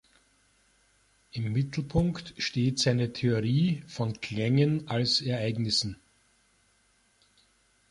Im Mittelpunkt steht seine Theorie von Klängen als Ereignissen.